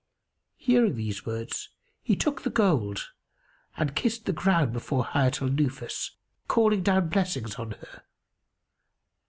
Hearing these words he took the gold and kissed the ground before Hayat al Nufus, calling down blessings on her.